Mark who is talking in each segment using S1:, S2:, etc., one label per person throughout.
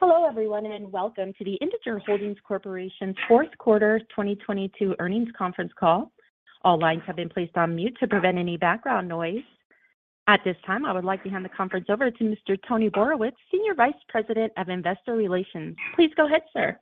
S1: Hello, everyone, welcome to the Integer Holdings Corporation's Q4 2022 earnings Conference Call. All lines have been placed on mute to prevent any background noise. At this time, I would like to hand the conference over to Mr. Anthony Borowicz, Senior Vice President of Investor Relations. Please go ahead, sir.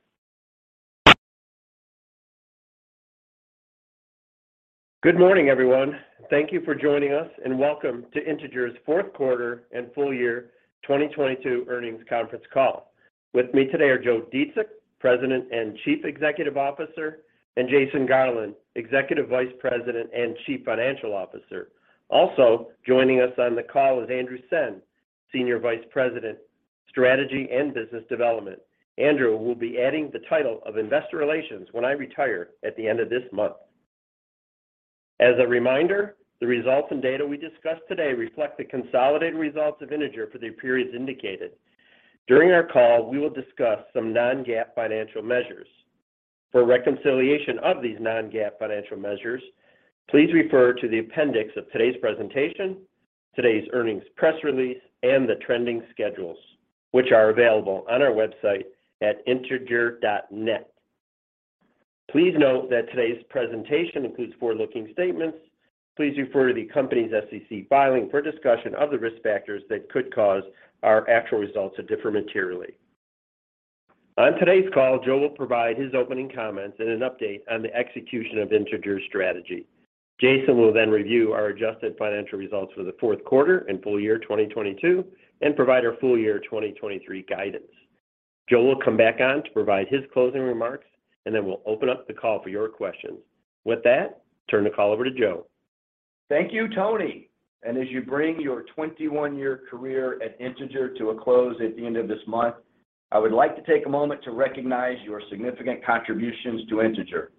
S2: Good morning, everyone. Thank you for joining us, and welcome to Integer's Q4 and full-year 2022 earnings Conference Call. With me today are Joseph Dziedzic, President and Chief Executive Officer, and Jason Garland, Executive Vice President and Chief Financial Officer. Also joining us on the call is Andrew Senn, Senior Vice President, Strategy and Business Development. Andrew will be adding the title of Investor Relations when I retire at the end of this month. As a reminder, the results and data we discuss today reflect the consolidated results of Integer for the periods indicated. During our call, we will discuss some non-GAAP financial measures. For reconciliation of these non-GAAP financial measures, please refer to the appendix of today's presentation, today's earnings press release, and the trending schedules, which are available on our website at integer.net. Please note that today's presentation includes forward-looking statements. Please refer to the company's SEC filing for a discussion of the risk factors that could cause our actual results to differ materially. On today's call, Joseph will provide his opening comments and an update on the execution of Integer's strategy. Jason will review our adjusted financial results for the Q4 and full-year 2022 and provide our full-year 2023 guidance. Joseph will come back on to provide his closing remarks, we'll open up the call for your questions. With that, turn the call over to Joseph.
S3: Thank you, Anthony. As you bring your 21-year career at Integer to a close at the end of this month, I would like to take a moment to recognize your significant contributions to Integer.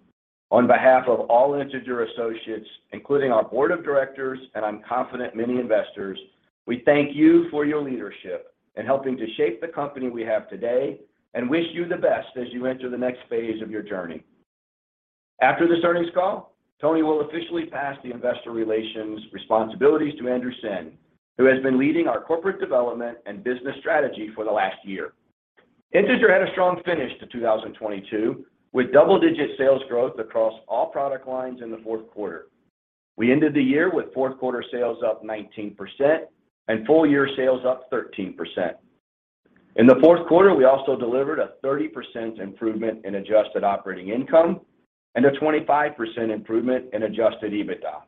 S3: On behalf of all Integer associates, including our board of directors, and I'm confident many investors, we thank you for your leadership in helping to shape the company we have today and wish you the best as you enter the next phase of your journey. After this earnings call, Anthony will officially pass the investor relations responsibilities to Andrew Senn, who has been leading our corporate development and business strategy for the last year. Integer had a strong finish to 2022, with double-digit sales growth across all product lines in the Q4. We ended the year with Q4 sales up 19% and full-year sales up 13%. In the Q4, we also delivered a 30% improvement in adjusted operating income and a 25% improvement in adjusted EBITDA.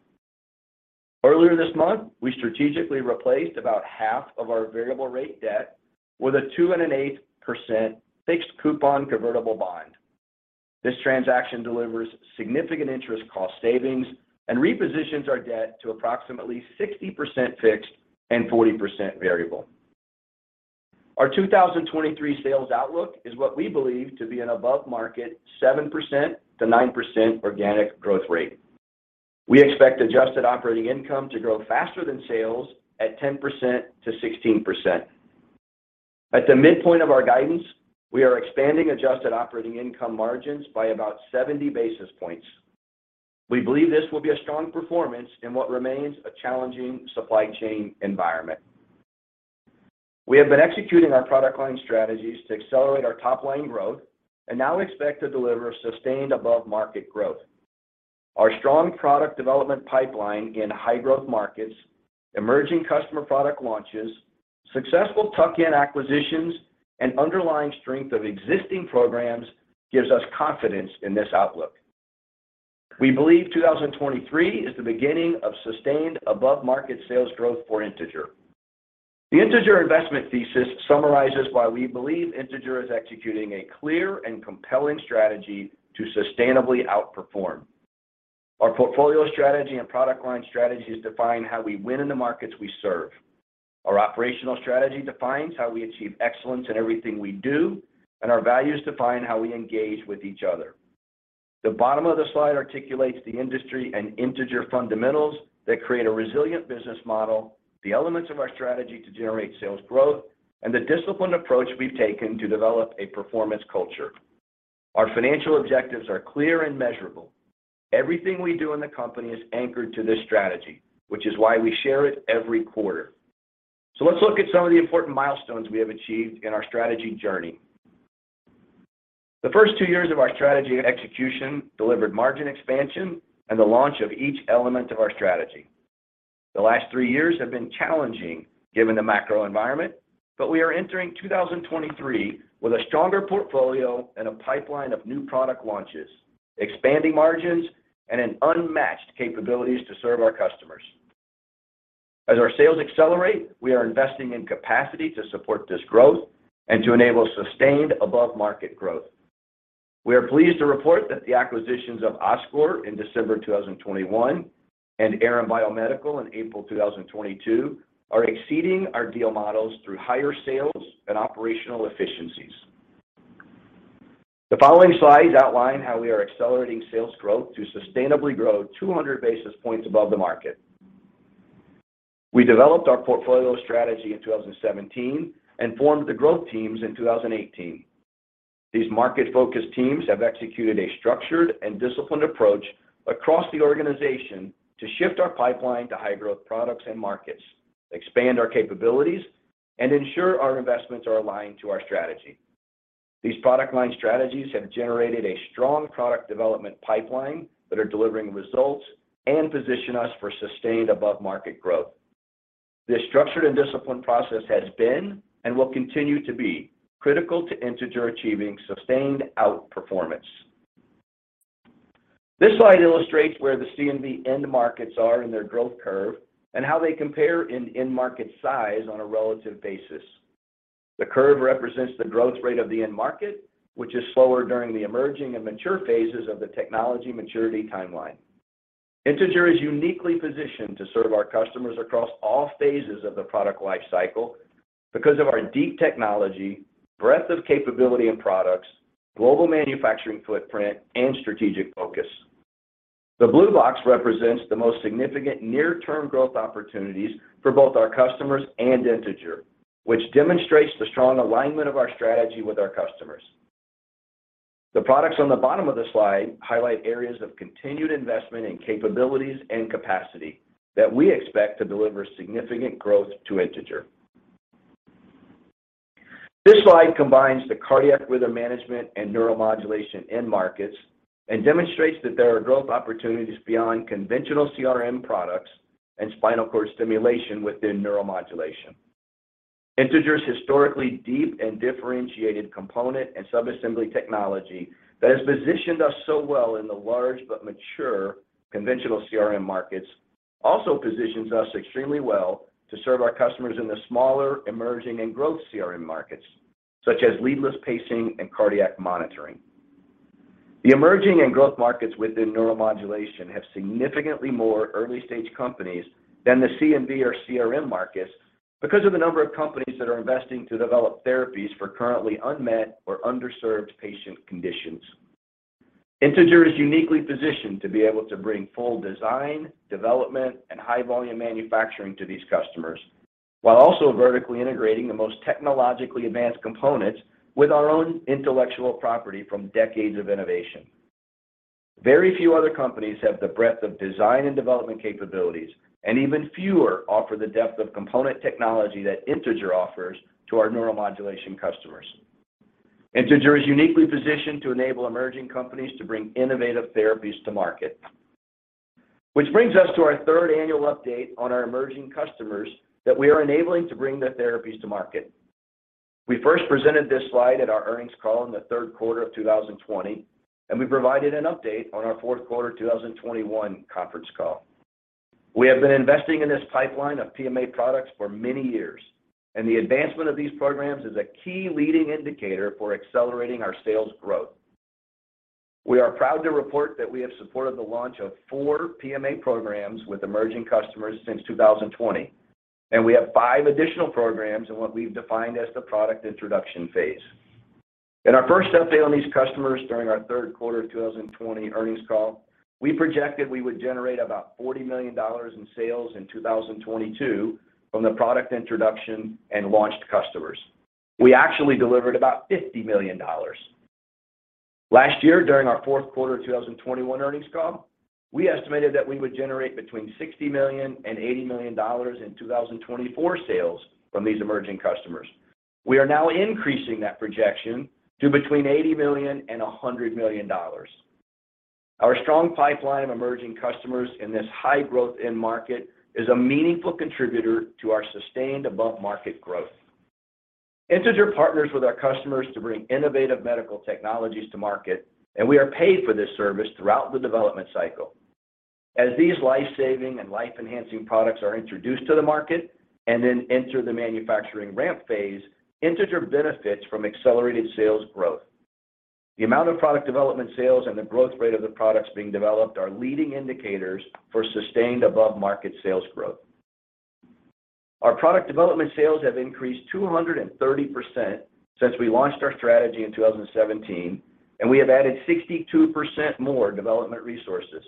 S3: Earlier this month, we strategically replaced about half of our variable rate debt with a 2.8% fixed coupon convertible bond. This transaction delivers significant interest cost savings and repositions our debt to approximately 60% fixed and 40% variable. Our 2023 sales outlook is what we believe to be an above-market 7%-9% organic growth rate. We expect adjusted operating income to grow faster than sales at 10%-16%. At the midpoint of our guidance, we are expanding adjusted operating income margins by about 70 basis points. We believe this will be a strong performance in what remains a challenging supply chain environment. We have been executing our product line strategies to accelerate our top-line growth and now expect to deliver sustained above-market growth. Our strong product development pipeline in high-growth markets, emerging customer product launches, successful tuck-in acquisitions, and underlying strength of existing programs gives us confidence in this outlook. We believe 2023 is the beginning of sustained above-market sales growth for Integer. The Integer investment thesis summarizes why we believe Integer is executing a clear and compelling strategy to sustainably outperform. Our portfolio strategy and product line strategies define how we win in the markets we serve. Our operational strategy defines how we achieve excellence in everything we do, and our values define how we engage with each other. The bottom of the slide articulates the industry and Integer fundamentals that create a resilient business model, the elements of our strategy to generate sales growth, and the disciplined approach we've taken to develop a performance culture. Our financial objectives are clear and measurable. Everything we do in the company is anchored to this strategy, which is why we share it every quarter. Let's look at some of the important milestones we have achieved in our strategy journey. The first two years of our strategy and execution delivered margin expansion and the launch of each element of our strategy. The last three years have been challenging given the macro environment, but we are entering 2023 with a stronger portfolio and a pipeline of new product launches, expanding margins, and an unmatched capabilities to serve our customers. As our sales accelerate, we are investing in capacity to support this growth and to enable sustained above market growth. We are pleased to report that the acquisitions of Oscor in December 2021 and Aran Biomedical in April 2022 are exceeding our deal models through higher sales and operational efficiencies. The following slides outline how we are accelerating sales growth to sustainably grow 200 basis points above the market. We developed our portfolio strategy in 2017 and formed the growth teams in 2018. These market-focused teams have executed a structured and disciplined approach across the organization to shift our pipeline to high-growth products and markets, expand our capabilities, and ensure our investments are aligned to our strategy. These product line strategies have generated a strong product development pipeline that are delivering results and position us for sustained above-market growth. This structured and disciplined process has been and will continue to be critical to Integer achieving sustained outperformance. This slide illustrates where the C&V end markets are in their growth curve and how they compare in end market size on a relative basis. The curve represents the growth rate of the end market, which is slower during the emerging and mature phases of the technology maturity timeline. Integer is uniquely positioned to serve our customers across all phases of the product life cycle because of our deep technology, breadth of capability and products, global manufacturing footprint, and strategic focus. The blue box represents the most significant near-term growth opportunities for both our customers and Integer, which demonstrates the strong alignment of our strategy with our customers. The products on the bottom of the slide highlight areas of continued investment in capabilities and capacity that we expect to deliver significant growth to Integer. This slide combines the cardiac rhythm management and neuromodulation end markets and demonstrates that there are growth opportunities beyond conventional CRM products and spinal cord stimulation within neuromodulation. Integer's historically deep and differentiated component and subassembly technology that has positioned us so well in the large but mature conventional CRM markets also positions us extremely well to serve our customers in the smaller, emerging, and growth CRM markets, such as leadless pacing and cardiac monitoring. The emerging and growth markets within neuromodulation have significantly more early-stage companies than the C&V or CRM markets because of the number of companies that are investing to develop therapies for currently unmet or underserved patient conditions. Integer is uniquely positioned to be able to bring full design, development, and high-volume manufacturing to these customers, while also vertically integrating the most technologically advanced components with our own intellectual property from decades of innovation. Very few other companies have the breadth of design and development capabilities, and even fewer offer the depth of component technology that Integer offers to our neuromodulation customers. Integer is uniquely positioned to enable emerging companies to bring innovative therapies to market. Which brings us to our third annual update on our emerging customers that we are enabling to bring their therapies to market. We first presented this slide at our earnings call in the Q3 2020, and we provided an update on our Q4 2021 Conference Call. We have been investing in this pipeline of PMA products for many years. The advancement of these programs is a key leading indicator for accelerating our sales growth. We are proud to report that we have supported the launch of 4 PMA programs with emerging customers since 2020. We have 5 additional programs in what we've defined as the product introduction phase. In our 1st update on these customers during our Q3 2020 earnings call, we projected we would generate about $40 million in sales in 2022 from the product introduction and launched customers. We actually delivered about $50 million. Last year, during our Q4 2021 earnings call, we estimated that we would generate between $60 million and $80 million in 2024 sales from these emerging customers. We are now increasing that projection to between $80 million and $100 million. Our strong pipeline of emerging customers in this high-growth end market is a meaningful contributor to our sustained above-market growth. Integer partners with our customers to bring innovative medical technologies to market. We are paid for this service throughout the development cycle. As these life-saving and life-enhancing products are introduced to the market and then enter the manufacturing ramp phase, Integer benefits from accelerated sales growth. The amount of product development sales and the growth rate of the products being developed are leading indicators for sustained above-market sales growth. Our product development sales have increased 230% since we launched our strategy in 2017. We have added 62% more development resources.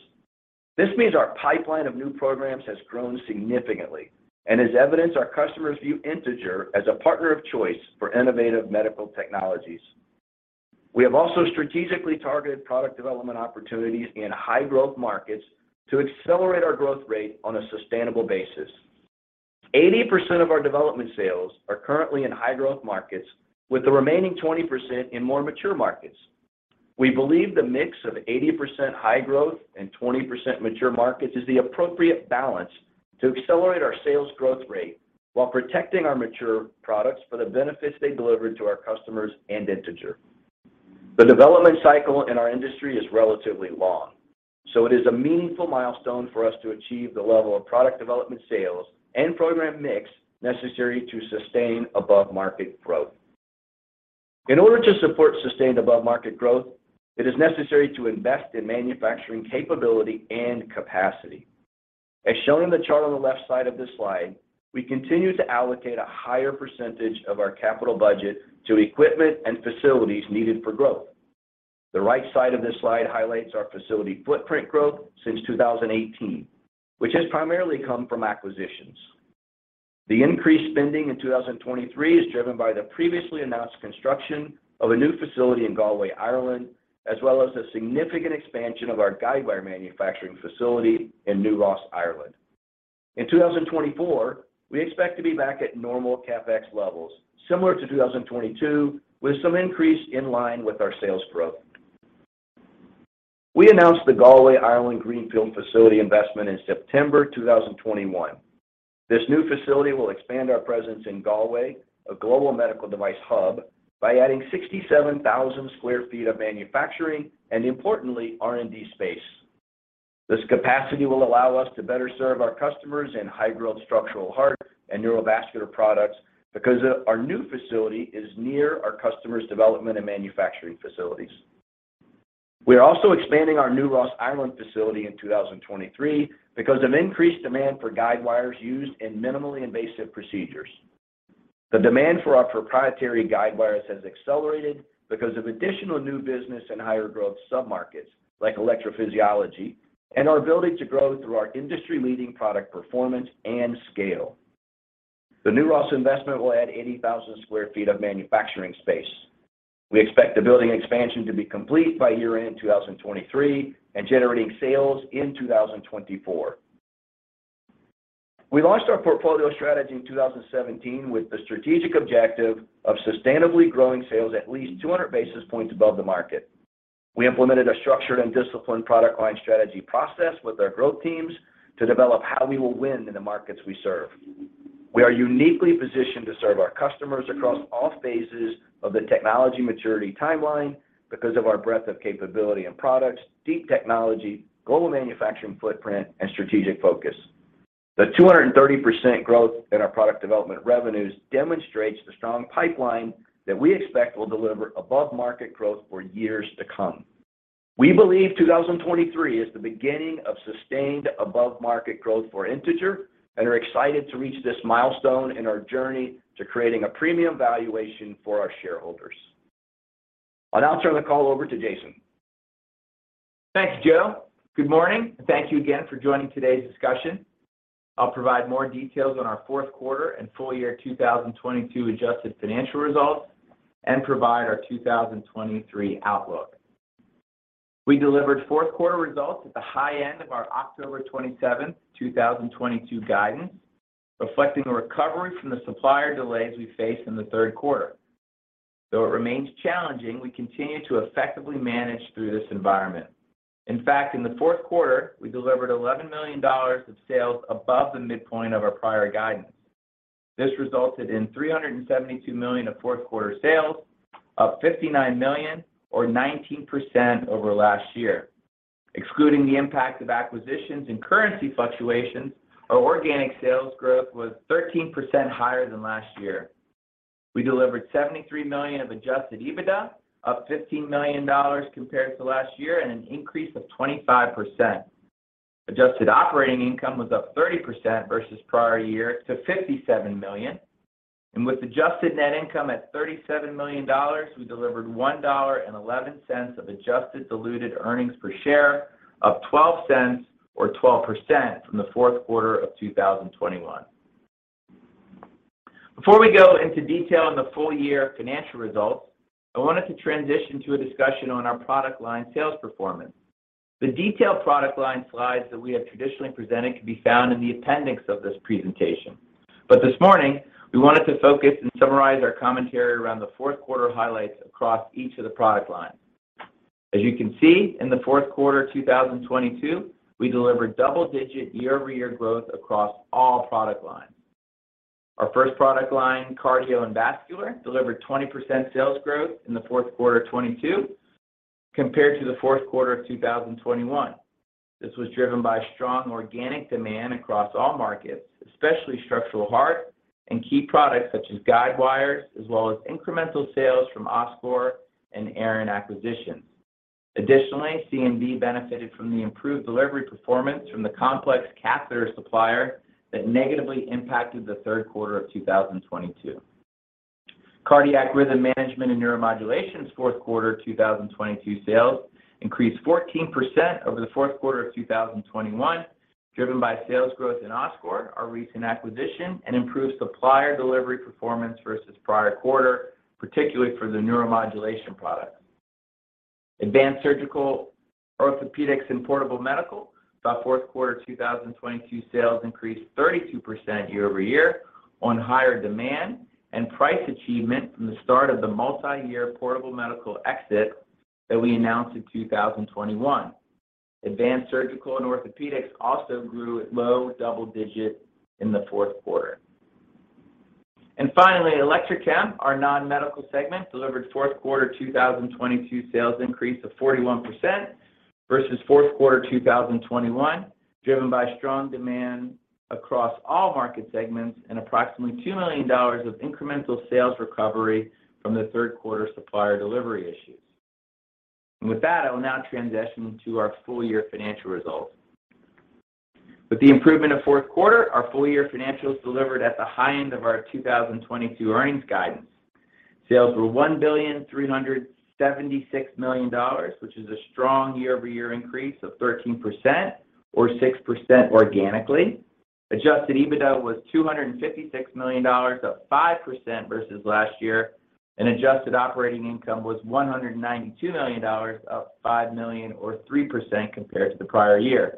S3: This means our pipeline of new programs has grown significantly and has evidenced our customers view Integer as a partner of choice for innovative medical technologies. We have also strategically targeted product development opportunities in high-growth markets to accelerate our growth rate on a sustainable basis. 80% of our development sales are currently in high-growth markets, with the remaining 20% in more mature markets. We believe the mix of 80% high growth and 20% mature markets is the appropriate balance to accelerate our sales growth rate while protecting our mature products for the benefits they deliver to our customers and Integer. The development cycle in our industry is relatively long, so it is a meaningful milestone for us to achieve the level of product development, sales, and program mix necessary to sustain above-market growth. In order to support sustained above-market growth, it is necessary to invest in manufacturing capability and capacity. As shown in the chart on the left side of this slide, we continue to allocate a higher percentage of our capital budget to equipment and facilities needed for growth. The right side of this slide highlights our facility footprint growth since 2018, which has primarily come from acquisitions. The increased spending in 2023 is driven by the previously announced construction of a new facility in Galway, Ireland, as well as a significant expansion of our guidewire manufacturing facility in New Ross, Ireland. In 2024, we expect to be back at normal CapEx levels, similar to 2022, with some increase in line with our sales growth. We announced the Galway, Ireland, greenfield facility investment in September 2021. This new facility will expand our presence in Galway, a global medical device hub, by adding 67,000 sq ft of manufacturing and importantly, R&D space. This capacity will allow us to better serve our customers in high-growth structural heart and neurovascular products because our new facility is near our customers' development and manufacturing facilities. We are also expanding our New Ross, Ireland, facility in 2023 because of increased demand for guidewires used in minimally invasive procedures. The demand for our proprietary guidewires has accelerated because of additional new business and higher growth submarkets like electrophysiology and our ability to grow through our industry-leading product performance and scale. The New Ross investment will add 80,000 sq ft of manufacturing space. We expect the building expansion to be complete by year-end in 2023 and generating sales in 2024. We launched our portfolio strategy in 2017 with the strategic objective of sustainably growing sales at least 200 basis points above the market. We implemented a structured and disciplined product line strategy process with our growth teams to develop how we will win in the markets we serve. We are uniquely positioned to serve our customers across all phases of the technology maturity timeline because of our breadth of capability and products, deep technology, global manufacturing footprint, and strategic focus. The 230% growth in our product development revenues demonstrates the strong pipeline that we expect will deliver above-market growth for years to come. We believe 2023 is the beginning of sustained above-market growth for Integer and are excited to reach this milestone in our journey to creating a premium valuation for our shareholders. I'll now turn the call over to Jason.
S4: Thanks, Joseph. Good morning, thank you again for joining today's discussion. I'll provide more details on our Q4 and full-year 2022 adjusted financial results and provide our 2023 outlook. We delivered Q4 results at the high end of our 27th October, 2022 guidance, reflecting a recovery from the supplier delays we faced in the Q3. Though it remains challenging, we continue to effectively manage through this environment. In fact, in the Q4, we delivered $11 million of sales above the midpoint of our prior guidance. This resulted in $372 million of Q4 sales, up $59 million or 19% over last year. Excluding the impact of acquisitions and currency fluctuations, our organic sales growth was 13% higher than last year. We delivered $73 million of adjusted EBITDA, up $15 million compared to last year and an increase of 25%. adjusted operating income was up 30% versus prior year to $57 million. With adjusted net income at $37 million, we delivered $1.11 of adjusted diluted earnings per share, up $0.12 or 12% from the Q4 of 2021. Before we go into detail on the full-year financial results, I wanted to transition to a discussion on our product line sales performance. The detailed product line slides that we have traditionally presented can be found in the appendix of this presentation. This morning, we wanted to focus and summarize our commentary around the Q4 highlights across each of the product lines. As you can see, in the Q4 of 2022, we delivered double-digit year-over-year growth across all product lines. Our first product line, Cardio & Vascular, delivered 20% sales growth in the Q4 of 22 compared to the Q4 of 2021. This was driven by strong organic demand across all markets, especially structural heart and key products such as guidewires, as well as incremental sales from Oscor and Aran acquisitions. Additionally, C&V benefited from the improved delivery performance from the complex catheter supplier that negatively impacted the Q3 of 2022. cardiac rhythm management and neuromodulation's Q4 2022 sales increased 14% over the Q4 of 2021, driven by sales growth in Oscor, our recent acquisition, and improved supplier delivery performance versus prior quarter, particularly for the neuromodulation products. Advanced Surgical, Orthopedics and Portable Medical saw Q4 2022 sales increase 32% year-over-year on higher demand and price achievement from the start of the multiyear Portable Medical exit that we announced in 2021. Advanced Surgical and Orthopedics also grew at low double-digit in the Q4. Finally, Electrochem, our non-medical segment, delivered Q4 2022 sales increase of 41% versus Q4 2021, driven by strong demand across all market segments and approximately $2 million of incremental sales recovery from the Q3 supplier delivery issues. With that, I will now transition to our full-year financial results. With the improvement of Q4, our full-year financials delivered at the high end of our 2022 earnings guidance. Sales were $1,376 million, which is a strong year-over-year increase of 13% or 6% organically. adjusted EBITDA was $256 million, up 5% versus last year, and adjusted operating income was $192 million, up $5 million or 3% compared to the prior year.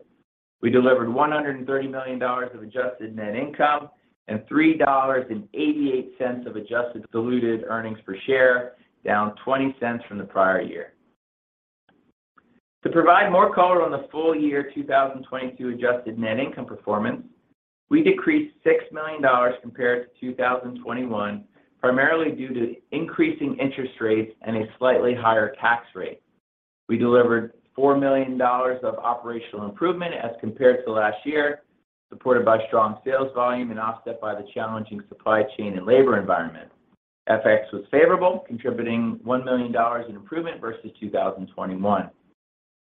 S4: We delivered $130 million of adjusted net income and $3.88 of adjusted diluted earnings per share, down $0.20 from the prior year. To provide more color on the full-year 2022 adjusted net income performance, we decreased $6 million compared to 2021, primarily due to increasing interest rates and a slightly higher tax rate. We delivered $4 million of operational improvement as compared to last year, supported by strong sales volume and offset by the challenging supply chain and labor environment. FX was favorable, contributing $1 million in improvement versus 2021.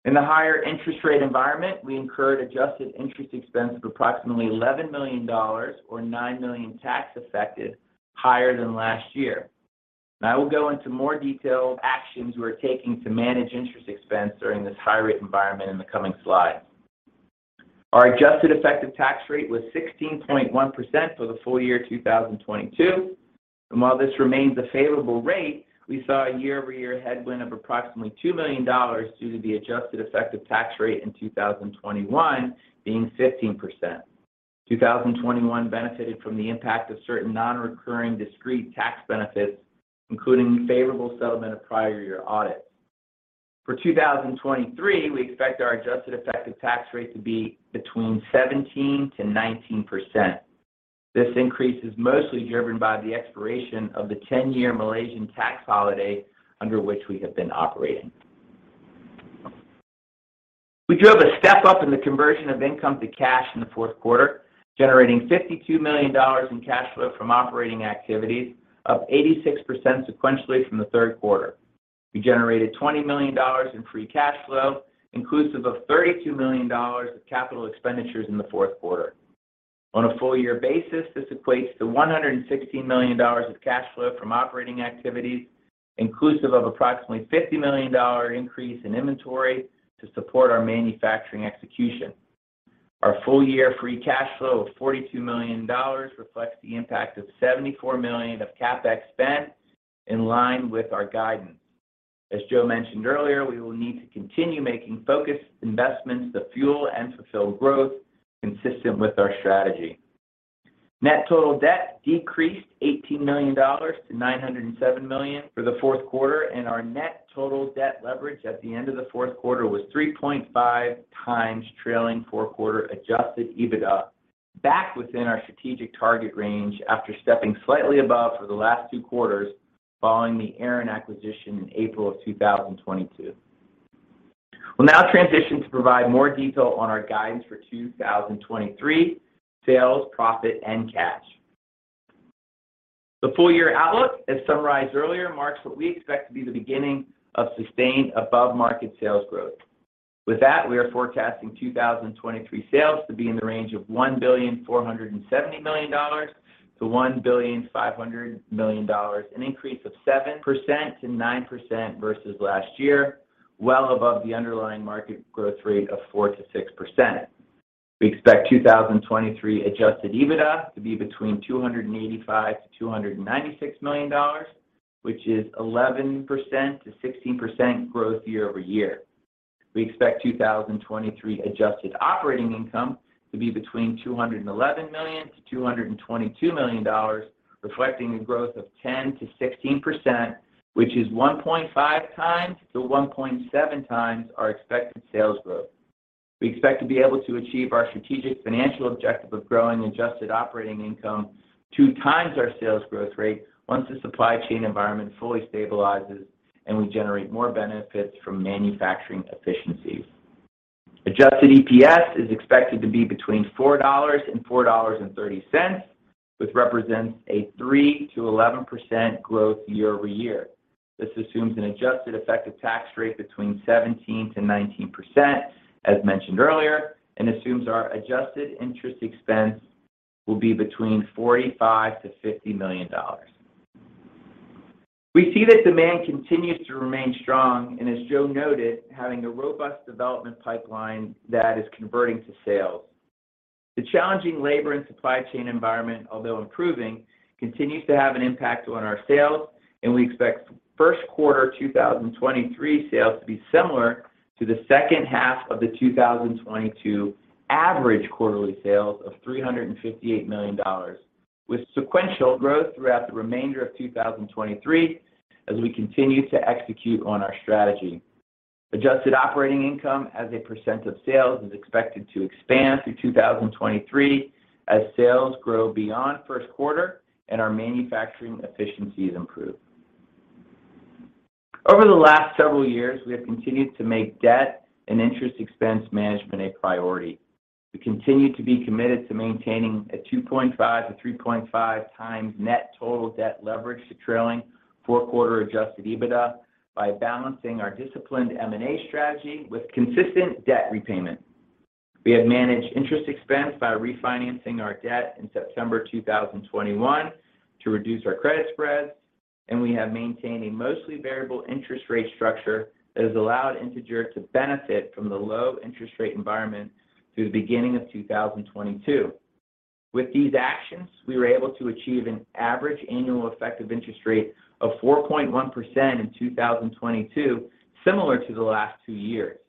S4: In the higher interest rate environment, we incurred adjusted interest expense of approximately $11 million or $9 million tax affected, higher than last year. I will go into more detail of actions we're taking to manage interest expense during this high-rate environment in the coming slides. Our adjusted effective tax rate was 16.1% for the full-year 2022. While this remains a favorable rate, we saw a year-over-year headwind of approximately $2 million due to the adjusted effective tax rate in 2021 being 15%. 2021 benefited from the impact of certain non-recurring discrete tax benefits, including the favorable settlement of prior year audits. For 2023, we expect our adjusted effective tax rate to be between 17%-19%. This increase is mostly driven by the expiration of the 10-year Malaysian tax holiday under which we have been operating. We drove a step up in the conversion of income to cash in the Q4, generating $52 million in cash flow from operating activities, up 86% sequentially from the Q3. We generated $20 million in free cash flow, inclusive of $32 million of capital expenditures in the Q4. On a full-year basis, this equates to $116 million of cash flow from operating activities, inclusive of approximately $50 million increase in inventory to support our manufacturing execution. Our full-year free cash flow of $42 million reflects the impact of $74 million of CapEx spend in line with our guidance. As Joseph mentioned earlier, we will need to continue making focused investments that fuel and fulfill growth consistent with our strategy. Net total debt decreased $18 million to $907 million for the Q4, and our net total debt leverage at the end of the Q4 was 3.5 times trailing 4-quarter adjusted EBITDA back within our strategic target range after stepping slightly above for the last 2 quarters following the Aran acquisition in April 2022. We'll now transition to provide more detail on our guidance for 2023 sales, profit and cash. The full-year outlook, as summarized earlier, marks what we expect to be the beginning of sustained above-market sales growth. With that, we are forecasting 2023 sales to be in the range of $1.47 billion to $1.5 billion, an increase of 7%-9% versus last year, well above the underlying market growth rate of 4%-6%. We expect 2023 adjusted EBITDA to be between $285 million-$296 million, which is 11%-16% growth year-over-year. We expect 2023 adjusted operating income to be between $211 million-$222 million, reflecting a growth of 10%-16%, which is 1.5 times to 1.7 times our expected sales growth. We expect to be able to achieve our strategic financial objective of growing adjusted operating income 2 times our sales growth rate once the supply chain environment fully stabilizes and we generate more benefits from manufacturing efficiencies. Adjusted EPS is expected to be between $4 and $4.30, which represents a 3%-11% growth year-over-year. This assumes an adjusted effective tax rate between 17%-19% as mentioned earlier, and assumes our adjusted interest expense will be between $45 million-$50 million. We see that demand continues to remain strong as Joseph noted, having a robust development pipeline that is converting to sales. The challenging labor and supply chain environment, although improving, continues to have an impact on our sales. We expect the Q1 2023 sales to be similar to the second half of the 2022 average quarterly sales of $358 million, with sequential growth throughout the remainder of 2023 as we continue to execute on our strategy. Adjusted operating income as a % of sales is expected to expand through 2023 as sales grow beyond the Q1 and our manufacturing efficiencies improve. Over the last several years, we have continued to make debt and interest expense management a priority. We continue to be committed to maintaining a 2.5x-3.5x net total debt leverage to trailing 4-quarter adjusted EBITDA by balancing our disciplined M&A strategy with consistent debt repayment. We have managed interest expense by refinancing our debt in September 2021 to reduce our credit spreads. We have maintained a mostly variable interest rate structure that has allowed Integer to benefit from the low interest rate environment through the beginning of 2022. With these actions, we were able to achieve an average annual effective interest rate of 4.1% in 2022, similar to the last two years.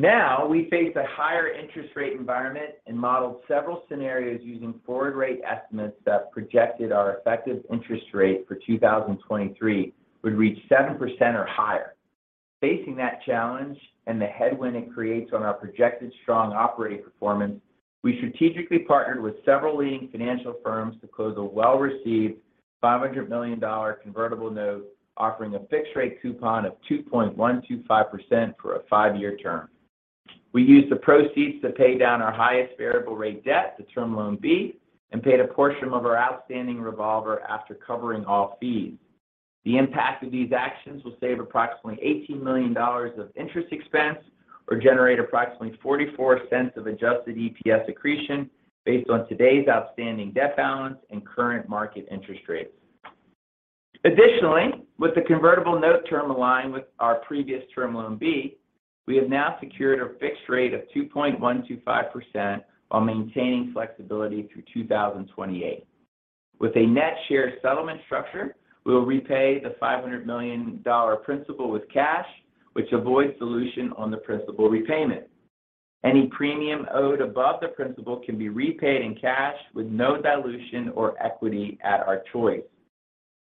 S4: Now, we face a higher interest rate environment and modeled several scenarios using forward rate estimates that projected our effective interest rate for 2023 would reach 7% or higher. Facing that challenge and the headwind it creates on our projected strong operating performance, we strategically partnered with several leading financial firms to close a well-received $500 million convertible note, offering a fixed rate coupon of 2.125% for a 5-year term. We used the proceeds to pay down our highest variable rate debt to Term Loan B and paid a portion of our outstanding revolver after covering all fees. The impact of these actions will save approximately $18 million of interest expense or generate approximately $0.44 of adjusted EPS accretion based on today's outstanding debt balance and current market interest rates. Additionally, with the convertible note term aligned with our previous Term Loan B, we have now secured a fixed rate of 2.125% while maintaining flexibility through 2028. With a net share settlement structure, we will repay the $500 million principal with cash, which avoids dilution on the principal repayment. Any premium owed above the principal can be repaid in cash with no dilution or equity at our choice.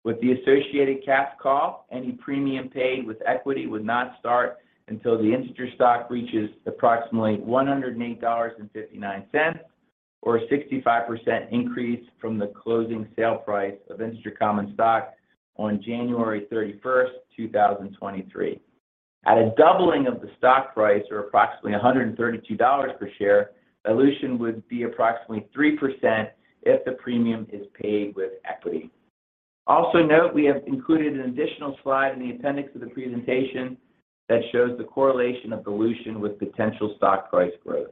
S4: With the associated cash call, any premium paid with equity would not start until the Integer stock reaches approximately $108.59 or a 65% increase from the closing sale price of Integer common stock on January 31, 2023. At a doubling of the stock price or approximately $132 per share, dilution would be approximately 3% if the premium is paid with equity. Also note we have included an additional slide in the appendix of the presentation that shows the correlation of dilution with potential stock price growth.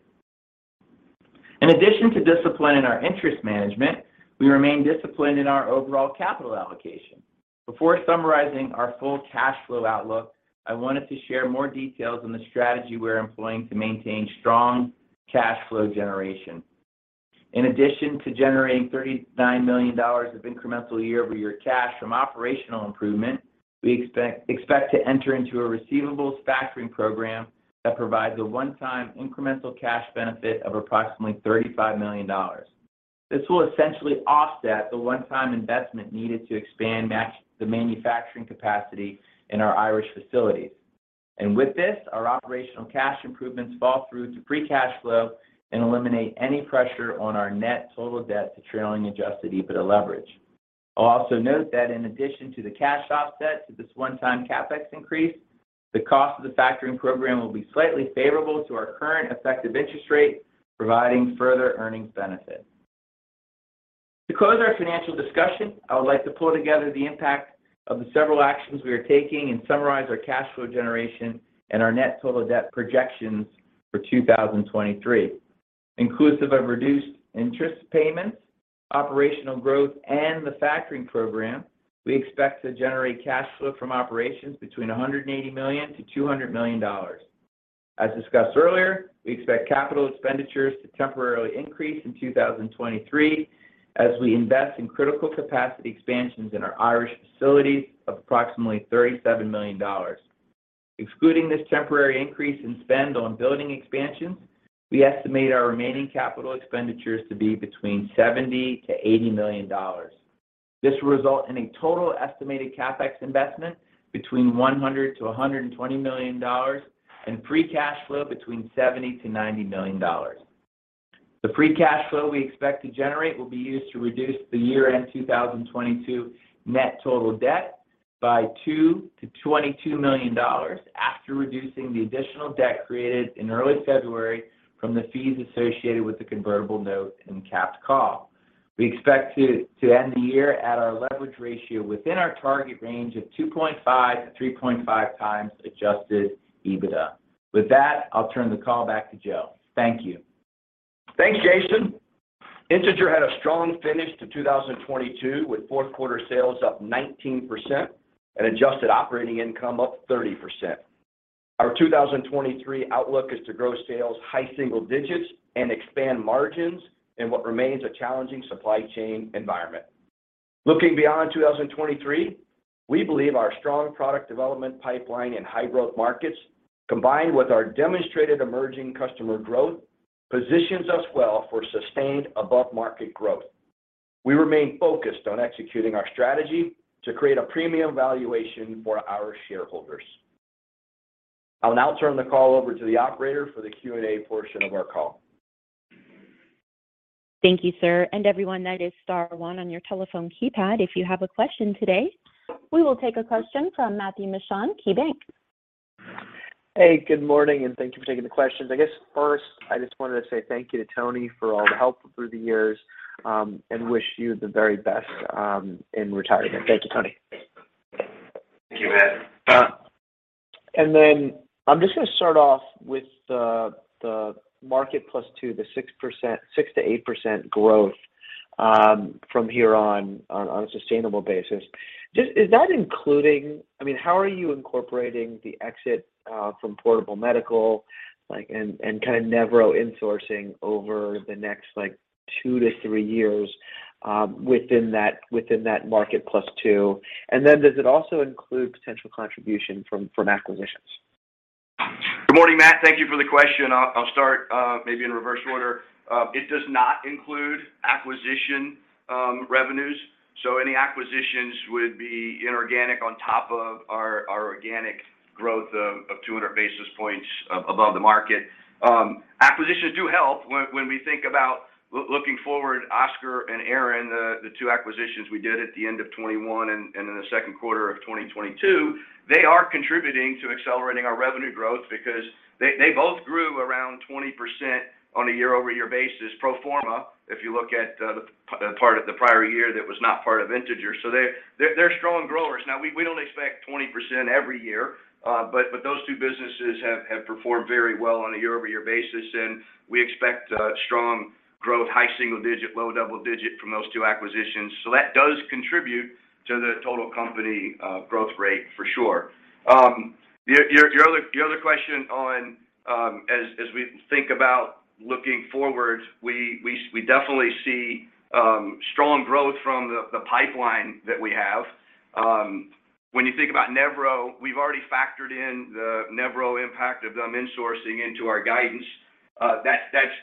S4: In addition to discipline in our interest management, we remain disciplined in our overall capital allocation. Before summarizing our full cash flow outlook, I wanted to share more details on the strategy we're employing to maintain strong cash flow generation. In addition to generating $39 million of incremental year-over-year cash from operational improvement, we expect to enter into a receivables factoring program that provides a one-time incremental cash benefit of approximately $35 million. This will essentially offset the one-time investment needed to expand the manufacturing capacity in our Irish facilities. With this, our operational cash improvements fall through to free cash flow and eliminate any pressure on our net total debt to trailing adjusted EBITDA leverage. I'll also note that in addition to the cash offset to this one-time CapEx increase, the cost of the factoring program will be slightly favorable to our current effective interest rate, providing further earnings benefit. To close our financial discussion, I would like to pull together the impact of the several actions we are taking and summarize our cash flow generation and our net total debt projections for 2023. Inclusive of reduced interest payments, operational growth, and the factoring program, we expect to generate cash flow from operations between $180 million-$200 million. As discussed earlier, we expect capital expenditures to temporarily increase in 2023 as we invest in critical capacity expansions in our Irish facilities of approximately $37 million. Excluding this temporary increase in spend on building expansions, we estimate our remaining capital expenditures to be between $70 million-$80 million. This will result in a total estimated CapEx investment between $100 million-$120 million and free cash flow between $70 million-$90 million. The free cash flow we expect to generate will be used to reduce the year-end 2022 net total debt by $2 million-$22 million after reducing the additional debt created in early February from the fees associated with the convertible note and capped call. We expect to end the year at our leverage ratio within our target range of 2.5-3.5 times adjusted EBITDA. With that, I'll turn the call back to Joseph. Thank you.
S3: Thanks, Jason. Integer had a strong finish to 2022, with Q4 sales up 19% and adjusted operating income up 30%. Our 2023 outlook is to grow sales high single digits and expand margins in what remains a challenging supply chain environment. Looking beyond 2023, we believe our strong product development pipeline in high-growth markets, combined with our demonstrated emerging customer growth, positions us well for sustained above-market growth. We remain focused on executing our strategy to create a premium valuation for our shareholders. I will now turn the call over to the operator for the Q&A portion of our call.
S1: Thank you, sir. Everyone, that is star 1 on your telephone keypad if you have a question today. We will take a question from Matthew Mishan, KeyBanc.
S5: Hey, good morning, and thank you for taking the questions. I guess first I just wanted to say thank you to Anthony for all the help through the years, and wish you the very best, in retirement. Thank you, Anthony.
S3: Thank you, Matthew.
S5: I'm just gonna start off with the market plus two, the 6%-8% growth, from here on a sustainable basis. Is that including, I mean, how are you incorporating the exit from Portable Medical, like, and kind of Nevro insourcing over the next, like, 2-3 years, within that market plus two? Does it also include potential contribution from acquisitions?
S3: Good morning, Matthew. Thank you for the question. I'll start maybe in reverse order. It does not include acquisition revenues. Any acquisitions would be inorganic on top of our organic growth of 200 basis points above the market. Acquisitions do help when we think about looking forward, Oscor and Aran, the two acquisitions we did at the end of 2021 and in the Q2 2022, they are contributing to accelerating our revenue growth because they both grew around 20% on a year-over-year basis pro forma, if you look at the part of the prior year that was not part of Integer. They're strong growers. We don't expect 20% every year, but those two businesses have performed very well on a year-over-year basis, we expect strong growth, high single-digit, low double-digit from those two acquisitions. That does contribute to the total company growth rate for sure. Your other question on as we think about looking forward, we definitely see strong growth from the pipeline that we have. When you think about Nevro, we've already factored in the Nevro impact of them insourcing into our guidance. That's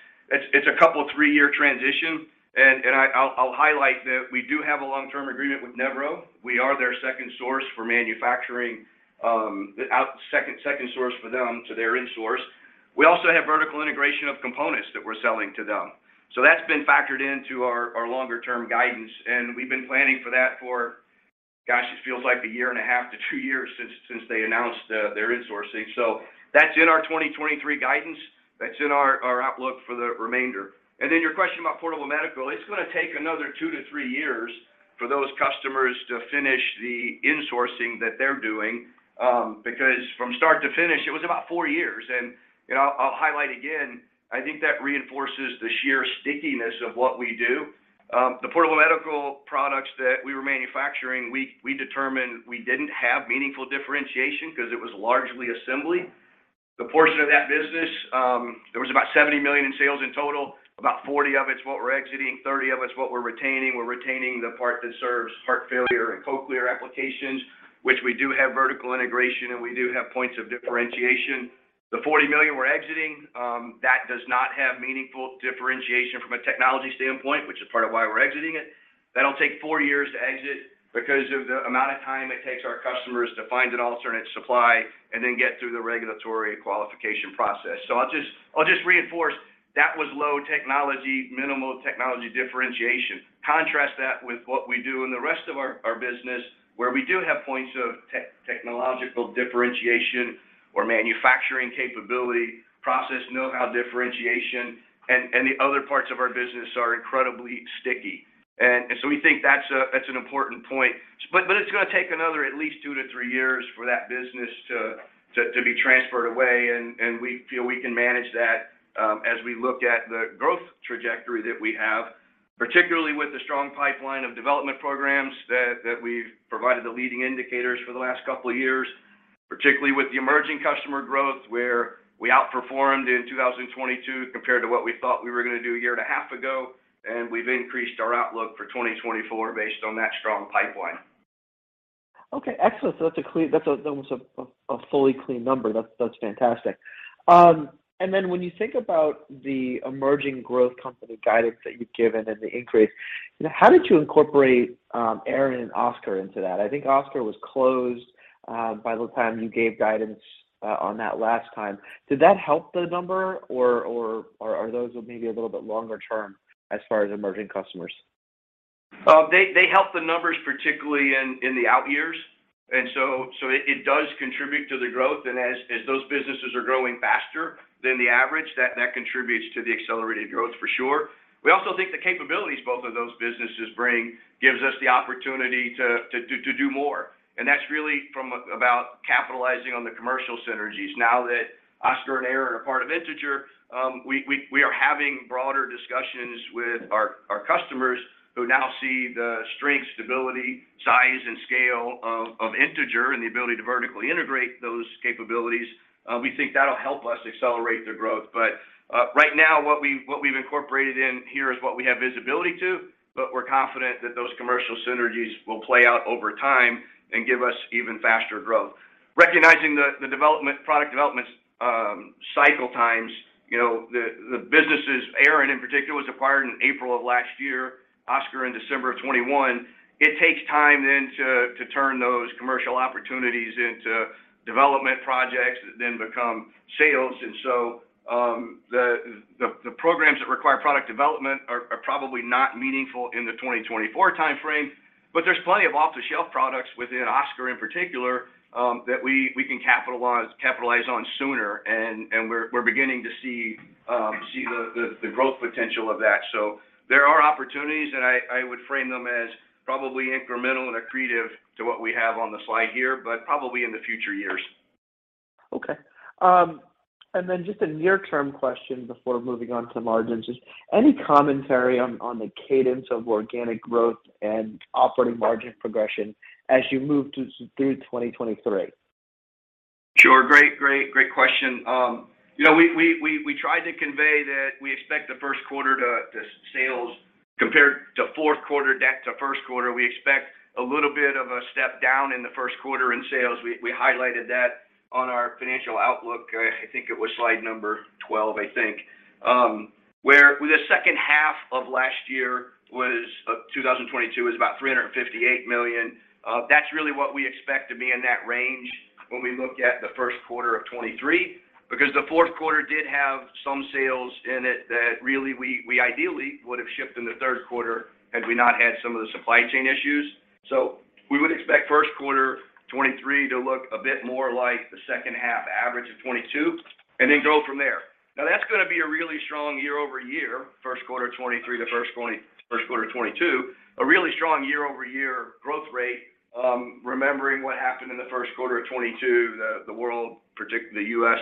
S3: it's a 2-3 year transition. I'll highlight that we do have a long-term agreement with Nevro. We are their second source for manufacturing, the second source for them to their insource. We also have vertical integration of components that we're selling to them. That's been factored into our longer-term guidance, and we've been planning for that for, gosh, it feels like 1.5 to 2 years since they announced their insourcing. That's in our 2023 guidance. That's in our outlook for the remainder. Your question about Portable Medical, it's gonna take another 2 to 3 years for those customers to finish the insourcing that they're doing because from start to finish, it was about 4 years. You know, I'll highlight again, I think that reinforces the sheer stickiness of what we do. The Portable Medical products that we were manufacturing, we determined we didn't have meaningful differentiation 'cause it was largely assembly. The portion of that business, there was about $70 million in sales in total. About 40 of it's what we're exiting, 30 of it's what we're retaining. We're retaining the part that serves heart failure and cochlear applications, which we do have vertical integration, and we do have points of differentiation. The $40 million we're exiting, that does not have meaningful differentiation from a technology standpoint, which is part of why we're exiting it. That'll take 4 years to exit because of the amount of time it takes our customers to find an alternate supply and then get through the regulatory qualification process. I'll just reinforce, that was low technology, minimal technology differentiation. Contrast that with what we do in the rest of our business, where we do have points of technological differentiation or manufacturing capability, process know-how differentiation, and the other parts of our business are incredibly sticky. We think that's an important point. It's gonna take another at least two to three years for that business to be transferred away and we feel we can manage that as we look at the growth trajectory that we have, particularly with the strong pipeline of development programs that we've provided the leading indicators for the last couple of years, particularly with the emerging customer growth where we outperformed in 2022 compared to what we thought we were gonna do a year and a half ago, and we've increased our outlook for 2024 based on that strong pipeline.
S5: Okay. Excellent. That's almost a fully clean number. That's fantastic. When you think about the emerging growth company guidance that you've given and the increase, you know, how did you incorporate Aran and Oscor into that? I think Oscor was closed by the time you gave guidance on that last time. Did that help the number or are those maybe a little bit longer term as far as emerging customers?
S3: They, they help the numbers, particularly in the out years. It does contribute to the growth. As those businesses are growing faster than the average, that contributes to the accelerated growth for sure. We also think the capabilities both of those businesses bring gives us the opportunity to do more. That's really about capitalizing on the commercial synergies. Oscor and Aran are part of Integer, we are having broader discussions with our customers who now see the strength, stability, size, and scale of Integer and the ability to vertically integrate those capabilities. We think that'll help us accelerate their growth. Right now what we've incorporated in here is what we have visibility to, but we're confident that those commercial synergies will play out over time and give us even faster growth. Recognizing the development, product development, cycle times, you know, the businesses, Aran in particular, was acquired in April of last year, Oscor in December of 2021. It takes time then to turn those commercial opportunities into development projects that then become sales. The programs that require product development are probably not meaningful in the 2024 timeframe. There's plenty of off-the-shelf products within Oscor in particular that we can capitalize on sooner, and we're beginning to see the growth potential of that. There are opportunities, and I would frame them as probably incremental and accretive to what we have on the slide here, but probably in the future years.
S5: Okay. Just a near-term question before moving on to margins. Just any commentary on the cadence of organic growth and operating margin progression as you move through 2023?
S3: Sure. Great question. You know, we tried to convey that we expect the Q1 to sales compared to Q4, deck to the Q1, we expect a little bit of a step down in the Q1 in sales. We highlighted that on our financial outlook. I think it was slide number 12, I think. Where the second half of last year was, of 2022, was about $358 million. That's really what we expect to be in that range when we look at the Q1 2023. Because the Q4 did have some sales in it that really we ideally would have shipped in the Q3 had we not had some of the supply chain issues. We would expect the Q1 2023 to look a bit more like the second half average of 2022 and then grow from there. That's gonna be a really strong year-over-year, the Q1 2023 to the Q1 2022, a really strong year-over-year growth rate. Remembering what happened in the Q1 2022, the world, the U.S.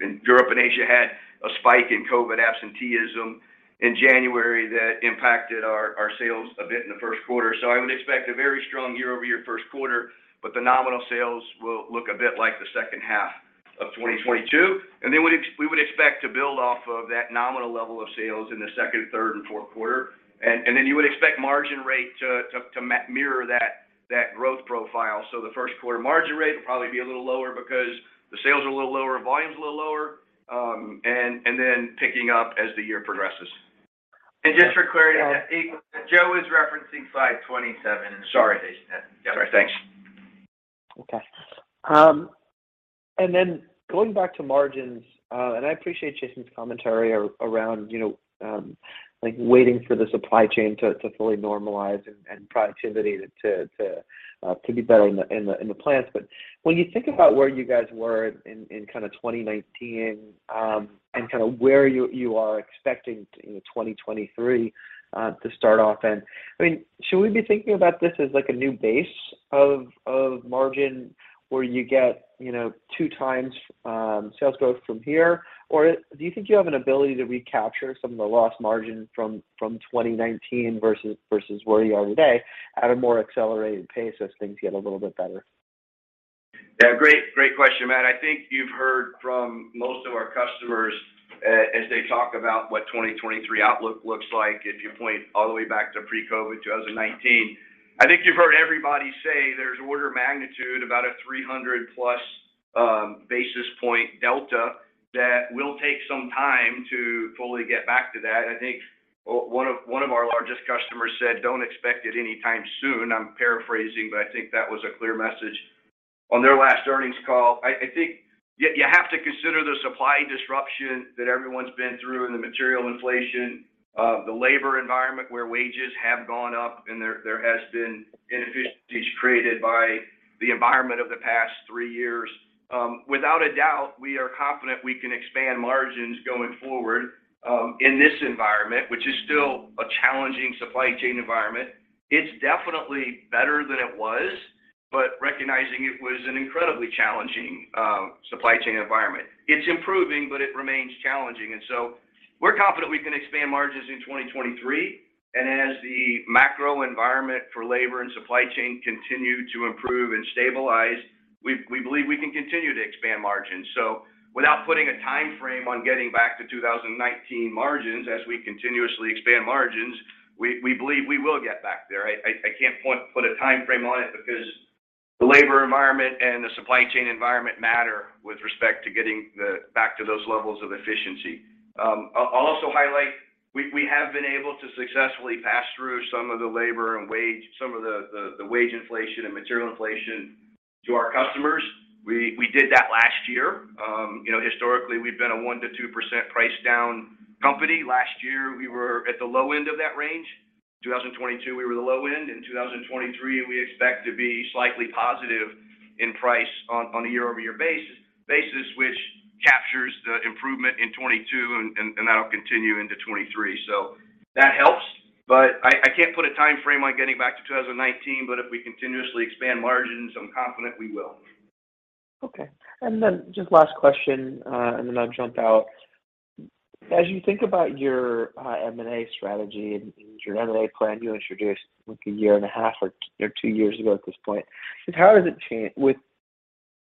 S3: and Europe and Asia had a spike in COVID absenteeism in January that impacted our sales a bit in the Q1. I would expect a very strong year-over-year the Q1, but the nominal sales will look a bit like the second half of 2022. We would expect to build off of that nominal level of sales in the Q2, Q3, and Q4. Then you would expect margin rate to mirror that growth profile. The Q1 margin rate will probably be a little lower because the sales are a little lower, volume's a little lower, and then picking up as the year progresses. Just for clarity, Matthew, Joseph is referencing slide 27 in the presentation.
S5: Sorry.
S3: Yep. Sorry Thanks.
S5: Okay. Going back to margins, and I appreciate Jason's commentary around, you know, like waiting for the supply chain to fully normalize and productivity to be better in the plants. When you think about where you guys were in kinda 2019, and kinda where you are expecting in 2023 to start off in. I mean, should we be thinking about this as like a new base of margin where you get, you know, 2 times sales growth from here? Do you think you have an ability to recapture some of the lost margin from 2019 versus where you are today at a more accelerated pace as things get a little bit better?
S3: Great question, Matthew. I think you've heard from most of our customers, as they talk about what 2023 outlook looks like, if you point all the way back to pre-COVID, 2019. I think you've heard everybody say there's order magnitude about a 300+ basis point delta that will take some time to fully get back to that. I think one of our largest customers said, "Don't expect it anytime soon." I'm paraphrasing, I think that was a clear message on their last earnings call. I think you have to consider the supply disruption that everyone's been through and the material inflation, the labor environment where wages have gone up, and there has been inefficiencies created by the environment of the past three years. Without a doubt, we are confident we can expand margins going forward, in this environment, which is still a challenging supply chain environment. It's definitely better than it was, but recognizing it was an incredibly challenging supply chain environment. It's improving, but it remains challenging. We're confident we can expand margins in 2023. As the macro environment for labor and supply chain continue to improve and stabilize, we believe we can continue to expand margins. Without putting a timeframe on getting back to 2019 margins as we continuously expand margins, we believe we will get back there. I can't put a timeframe on it because the labor environment and the supply chain environment matter with respect to getting back to those levels of efficiency. I'll also highlight, we have been able to successfully pass through some of the labor and wage inflation and material inflation to our customers. We did that last year. You know, historically, we've been a 1% to 2% price down company. Last year, we were at the low end of that range. 2022, we were the low end. In 2023, we expect to be slightly positive in price on a year-over-year basis, which captures the improvement in 2022 and that'll continue into 2023. That helps. I can't put a timeframe on getting back to 2019, but if we continuously expand margins, I'm confident we will.
S5: Just last question, and then I'll jump out. As you think about your M&A strategy and your M&A plan you introduced like 1.5 or 2 years ago at this point, just how does it with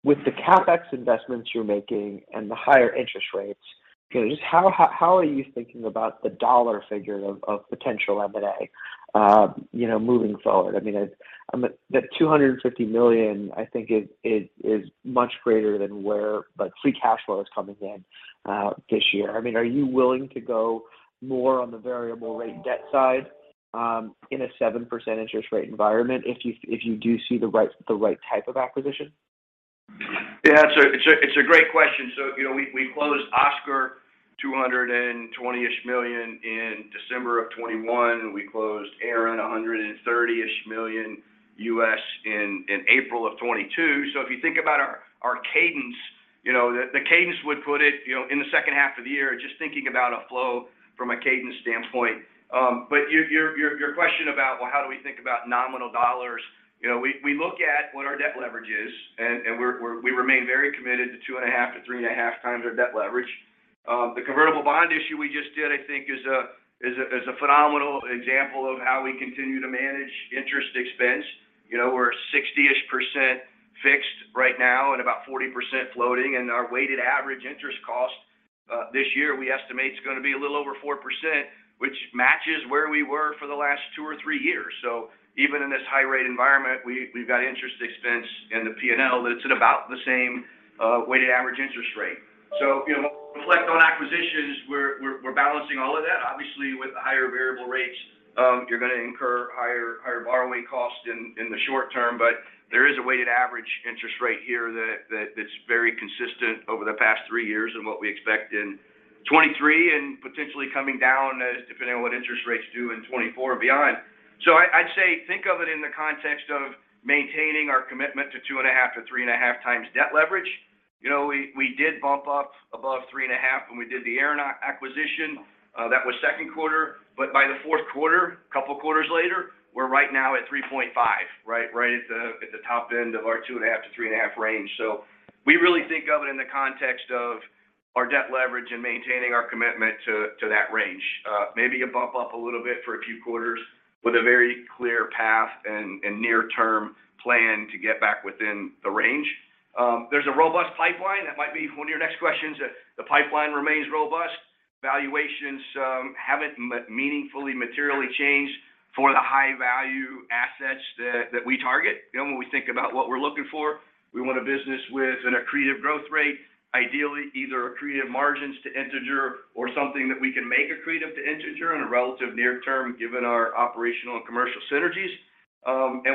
S5: the CapEx investments you're making and the higher interest rates, you know, just how are you thinking about the dollar figure of potential M&A, you know, moving forward? I mean, I'm-- that $250 million, I think, is much greater than where like free cash flow is coming in this year. I mean, are you willing to go more on the variable rate debt side in a 7% interest rate environment if you do see the right type of acquisition?
S3: Yeah. It's a great question. You know, we closed Oscor $220-ish million in December of 2021, and we closed Aran $130-ish million in April of 2022. If you think about our cadence, you know, the cadence would put it, you know, in the second half of the year, just thinking about a flow from a cadence standpoint. Your question about, well, how do we think about nominal dollars? You know, we look at what our debt leverage is, and we remain very committed to 2.5-3.5 times our debt leverage. The convertible bond issue we just did, I think, is a phenomenal example of how we continue to manage interest expense. You know, we're 60-ish% fixed right now and about 40% floating, and our weighted average interest cost this year, we estimate it's gonna be a little over 4%, which matches where we were for the last 2 or 3 years. Even in this high-rate environment, we've got interest expense in the P&L that's at about the same weighted average interest rate. You know, reflect on acquisitions, we're balancing all of that. Obviously, with higher variable rates, you're gonna incur higher borrowing costs in the short term. There is a weighted average interest rate here that's very consistent over the past 3 years and what we expect in 2023 and potentially coming down as depending on what interest rates do in 2024 and beyond. I'd say think of it in the context of maintaining our commitment to 2.5x-3.5x debt leverage. You know, we did bump up above 3.5x when we did the Aran acquisition. That was the Q2. By the Q4, couple quarters later, we're right now at 3.5x, right at the top end of our 2.5x-3.5x range. We really think of it in the context of our debt leverage and maintaining our commitment to that range. There's a robust pipeline. That might be one of your next questions. The pipeline remains robust. Valuations haven't materially changed for the high-value assets that we target. You know, when we think about what we're looking for, we want a business with an accretive growth rate, ideally either accretive margins to Integer or something that we can make accretive to Integer in a relative near term given our operational and commercial synergies.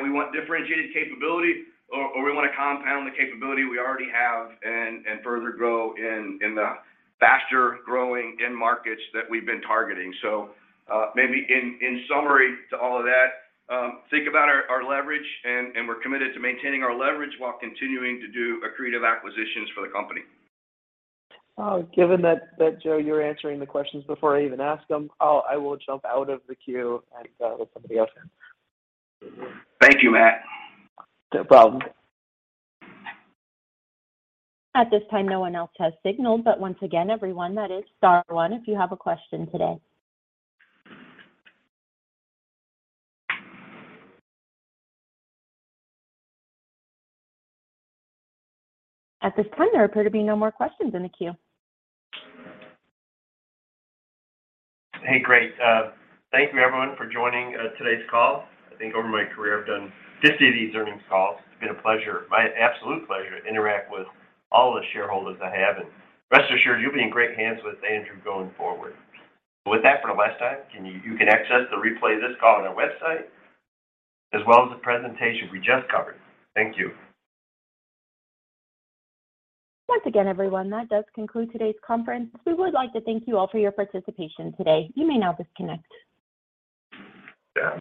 S3: We want differentiated capability or we wanna compound the capability we already have and further grow in the faster-growing end markets that we've been targeting. Maybe in summary to all of that, think about our leverage and we're committed to maintaining our leverage while continuing to do accretive acquisitions for the company.
S5: Given that, Joseph, you're answering the questions before I even ask them, I will jump out of the queue and let somebody else in.
S3: Thank you, Matthew.
S5: No problem.
S1: At this time, no one else has signaled, but once again, everyone, that is star one if you have a question today. At this time, there appear to be no more questions in the queue.
S3: Hey, great. Thank you everyone for joining today's call. I think over my career I've done 50 of these earnings calls. It's been a pleasure, my absolute pleasure to interact with all the shareholders I have. Rest assured, you'll be in great hands with Andrew going forward. With that, for the last time, you can access the replay of this call on our website as well as the presentation we just covered. Thank you.
S1: Once again, everyone, that does conclude today's conference. We would like to thank you all for your participation today. You may now disconnect.
S3: Yeah.